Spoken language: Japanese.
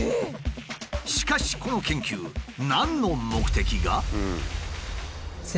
しかしこの研究何の目的が？